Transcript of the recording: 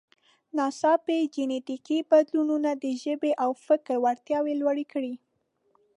ناڅاپي جینټیکي بدلونونو د ژبې او فکر وړتیاوې لوړې کړې.